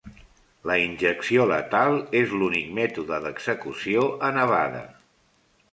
La injecció letal és l'únic mètode d'execució a Nevada.